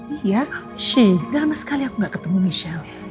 iya she udah lama sekali aku gak ketemu michelle